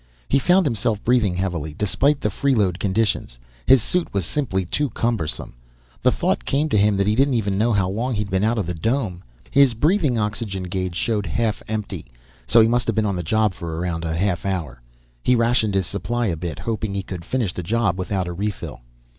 He found himself breathing heavily, despite the freeload conditions. His suit was simply too cumbersome. The thought came to him that he didn't even know how long he'd been out of the dome. His breathing oxygen gauge showed half empty, so he must have been on the job for around a half hour. He rationed his supply a bit, hoping he could finish the job without a refill.